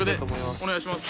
おねがいします。